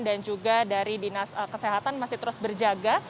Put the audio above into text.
dan juga dari dinas kesehatan masih terus berjaga